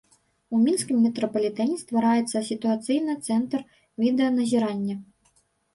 У мінскім метрапалітэне ствараецца сітуацыйны цэнтр відэаназірання.